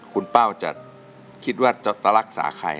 คุณเป้าจะคิดว่าจะรักษาใคร